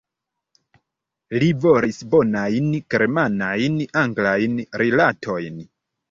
Li volis bonajn germanajn-anglajn rilatojn.